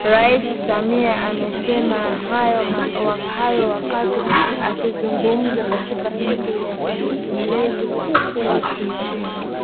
Rais Samia amesema hayo wakati akizungumza katika siku ya Mlezi wa Skauti nchini